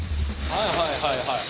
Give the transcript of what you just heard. はいはいはいはい。